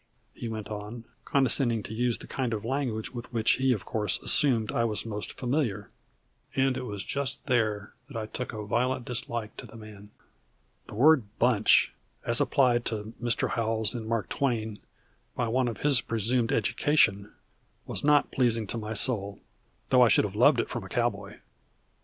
he went on, condescending to use the kind of language with which he of course assumed I was most familiar. And it was just there that I took a violent dislike to the man. The word bunch, as applied to Mr. Howells and Mark Twain by one of his presumed education was not pleasing to my soul, though I should have loved it from a cowboy.